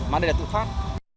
mà đây là tự phát